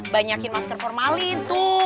banyakin masker formalin tuh